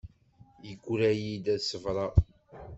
Yegra-yi-d ad ṣebṛeɣ.